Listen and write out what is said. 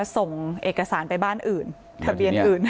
ส่งเอกสารไปบ้านอื่นทะเบียนอื่น